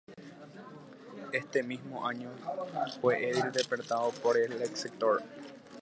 Ese mismo año fue electo Edil departamental por el sector.